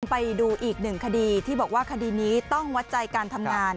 ไปดูอีกหนึ่งคดีที่บอกว่าคดีนี้ต้องวัดใจการทำงาน